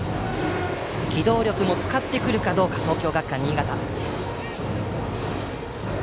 機動力も使ってくるか東京学館新潟。